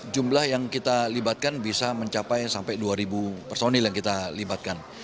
jumlah yang kita libatkan bisa mencapai sampai dua ribu personil yang kita libatkan